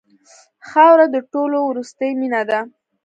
خاوره د ټولو وروستۍ مینه ده.